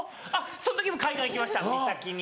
その時も海岸行きました岬に。